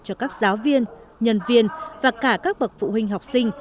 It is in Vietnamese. cho các giáo viên nhân viên và cả các bậc phụ huynh học sinh